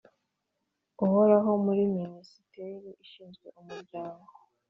uhoraho muri Minisiteri ishinzwe Umuryango